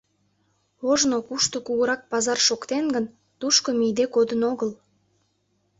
Ожно кушто кугурак пазар шоктен гын, тушко мийыде кодын огыл.